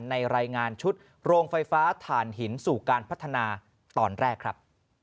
รายงานชุดโรงไฟฟ้าถ่านหินสู่การพัฒนาตอนแรกครับ